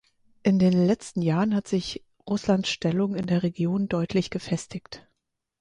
In den letzten Jahren hat sich Russlands Stellung in der Region deutlich gefestigt.